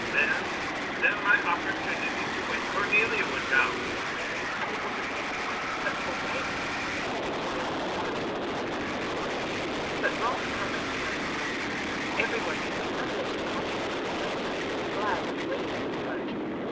"Then, then, his opportunity to win Cornelia would come!" And it was at this point the hopeful "maybe" entered into Rem's desires and anticipations. But wrath covered carries fate. Every one was in some measure conscious of this danger and glad when the wedding day approached.